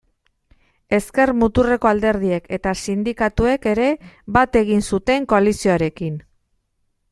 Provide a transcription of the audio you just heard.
Ezker-muturreko alderdiek eta sindikatuek ere bat egin zuten koalizioarekin.